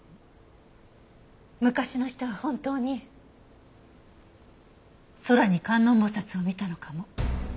昔の人は本当に空に観音菩薩を見たのかも。